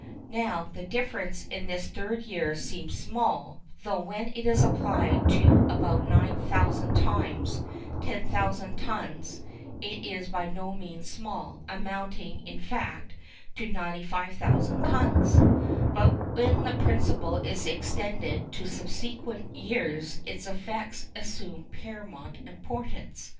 Now the difference in this third year seems small, though when it is applied to about nine thousand times 10,000 tons it is by no means small, amounting in fact to 95,000 tons; but when the principle is extended to sequent years its effects assume paramount importance.